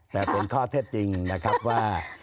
แต่เป็นข้อเท็จจริงนะครับว่า